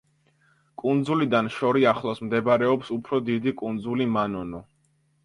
კუნძულიდან შორიახლოს მდებარეობს უფრო დიდი კუნძული მანონო.